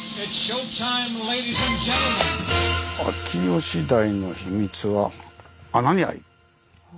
「秋吉台のヒミツは“穴”にあり？」。